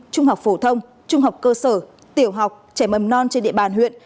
trung học phổ thông trung học cơ sở tiểu học trẻ mầm non trên địa bàn huyện